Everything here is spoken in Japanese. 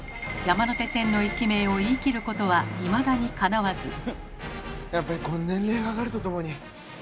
山手線の駅名を言い切ることはいまだにかなわず。